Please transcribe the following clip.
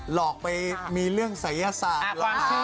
หลอกไปมีเรื่องรายสายความเชื่อ